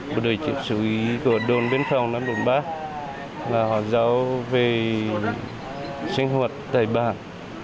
một đời trị sử của đồn biên phòng năm trăm bốn mươi ba là họ giáo về sinh hoạt tài bản